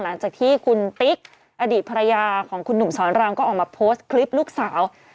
หลังจากที่คุณติ๊กอดีตภรรยาของคุณหนุ่มสอนรามก็ออกมาโพสต์คลิปลูกสาว